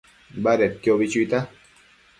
Badedquio ubi chuita